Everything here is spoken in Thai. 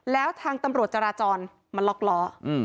แล้วทางตำรวจจาราจรมันลอกล้ออืม